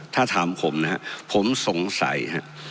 ถ้าถามผมนะครับผมสงสัยฮะ